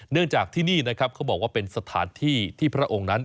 เนื่องจากที่นี่นะครับเขาบอกว่าเป็นสถานที่ที่พระองค์นั้น